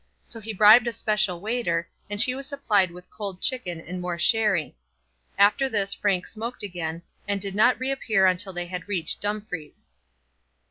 So he bribed a special waiter, and she was supplied with cold chicken and more sherry. After this Frank smoked again, and did not reappear till they had reached Dumfries.